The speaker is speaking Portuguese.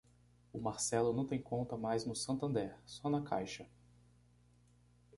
O Marcelo não tem conta mais no Santander, só na Caixa.